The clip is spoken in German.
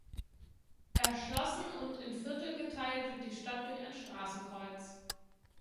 Erschlossen und in Viertel geteilt wird die Stadt durch ein Straßenkreuz.